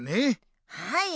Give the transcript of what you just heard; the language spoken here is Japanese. はい。